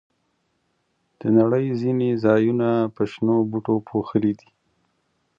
د نړۍ ځینې ځایونه په شنو بوټو پوښلي دي.